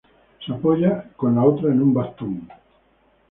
Se apoya con la otra en un bastón.